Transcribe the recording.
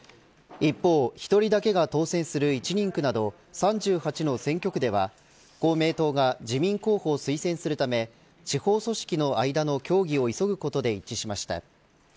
一方、１人だけが当選する１人区など３８の選挙区では公明党が自民候補を推薦するため地方組織の間の協議を急ぐことで一致しました。